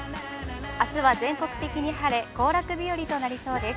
あすは全国的に晴れ、行楽日和になりそうです。